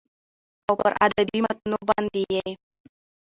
او پر ادبي متونو باندې يې